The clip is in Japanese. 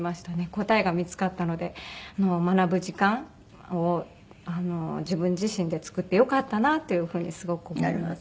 答えが見付かったので学ぶ時間を自分自身で作ってよかったなっていう風にすごく思います。